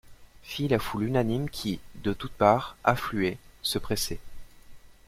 Fit la foule unanime qui, de toutes parts, affluait, se pressait.